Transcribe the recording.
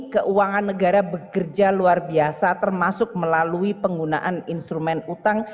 keuangan negara bekerja luar biasa termasuk melalui penggunaan instrumen utang